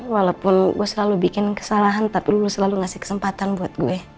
walaupun gue selalu bikin kesalahan tapi lu selalu ngasih kesempatan buat gue